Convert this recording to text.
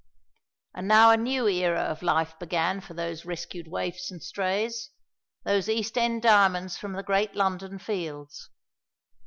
And now a new era of life began for those rescued waifs and strays those east end diamonds from the great London fields.